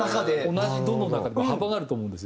同じ「ド」の中でも幅があると思うんですよ。